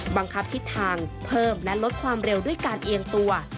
บังคับทิศทางเพิ่มและลดความเร็วด้วยการเอียงตัว